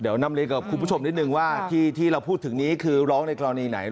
เดี๋ยวนำเรียนกับคุณผู้ชมนิดนึงว่าที่เราพูดถึงนี้คือร้องในกรณีไหน